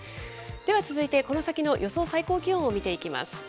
では続いて、この先の予想最高気温を見ていきます。